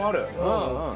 うんうん。